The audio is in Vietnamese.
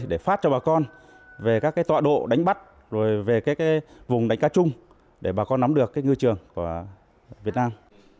để phát cho bà con về các tọa độ đánh bắt về vùng đánh cá chung để bà con nắm được ngư trường của việt nam